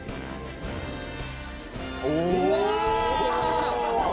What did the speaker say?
うわ！